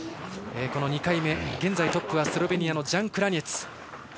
２回目、現在トップはスロベニアのジャン・クラニェツ。